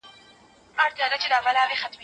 د دې علومو تر منځ د جلاوالي کرښه ډېره نری ده.